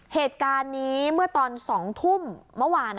เหตุการณ์นี้เมื่อตอน๒ทุ่มเมื่อวาน